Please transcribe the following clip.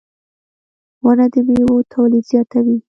• ونه د میوو تولید زیاتوي.